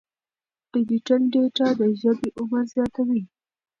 ډیجیټل ډیټا د ژبې عمر زیاتوي.